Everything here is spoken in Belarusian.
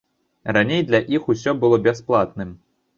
Раней для іх усё было бясплатным.